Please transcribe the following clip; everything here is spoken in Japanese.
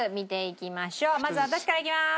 まず私からいきます。